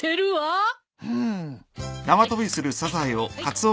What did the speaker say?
うん。